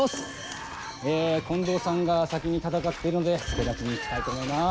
え近藤さんが先に戦ってるので助太刀に行きたいと思います。